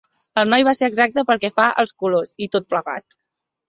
El noi va ser exacte pel que fa als colors, i tot plegat.